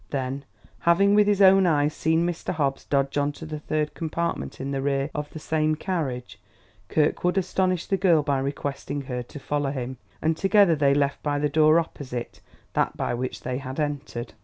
Then, having with his own eyes seen Mr. Hobbs dodge into the third compartment in the rear of the same carriage, Kirkwood astonished the girl by requesting her to follow him; and together they left by the door opposite that by which they had entered.